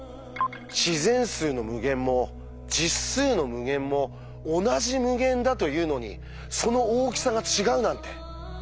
「自然数の無限」も「実数の無限」も同じ無限だというのにその大きさが違うなんて。